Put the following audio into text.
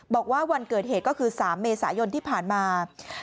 บอกว่าวันเกิดเหตุก็คือ๓เมษายนที่ผ่านมา